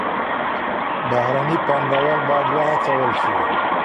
بهرني پانګوال بايد وهڅول سي.